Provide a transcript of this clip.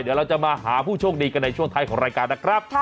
เดี๋ยวเราจะมาหาผู้โชคดีกันในช่วงท้ายของรายการนะครับ